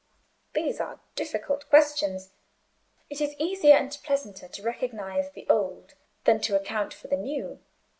These are difficult questions: it is easier and pleasanter to recognise the old than to account for the new.